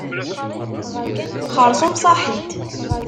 Xeṛṣum saḥit.